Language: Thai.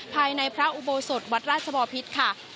ภายในพระอุโบสถวัดราชบอพิษค่ะ